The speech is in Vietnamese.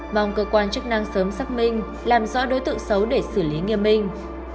mong cơ quan chức năng sớm xác minh làm rõ đối tượng xấu để xử lý nghiêm minh